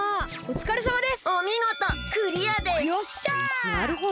おつかれさまです！